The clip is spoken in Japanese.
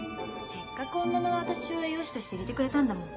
せっかく女の私を栄養士として入れてくれたんだもん。